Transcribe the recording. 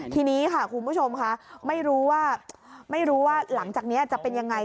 ทีนี้คุณผู้ชมค่ะไม่รู้ว่าหลังจากนี้จะเป็นอย่างไร